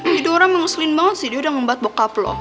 gitu orang yang ngeselin banget sih dia udah ngembat bokap lo